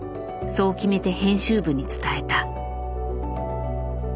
そう決めて編集部に伝えた。